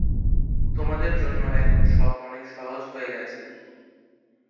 তোমাদের জন্য এখন এসব অনেক সহজ হয়ে গেছে।